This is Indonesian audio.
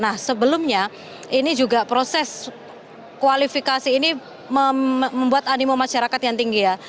nah sebelumnya ini juga proses kualifikasi ini membuat animo masyarakat yang tinggi ya